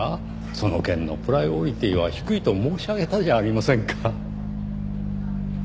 その件のプライオリティーは低いと申し上げたじゃありませんか。